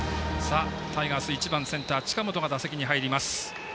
タイガース、１番センター近本が打席に入ります。